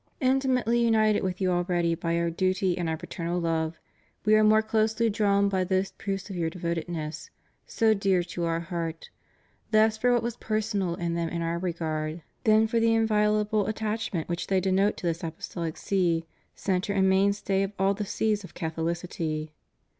In timately united with you already by Our duty and Our paternal love, We are more closely drawn by those proofs of your devotedness, so dear to Our hearts, less for what was personal in them in Our regard than for the inviolable attachment which they denote to this Apostolic See, centre and mainstay of all the Sees of Catholicity.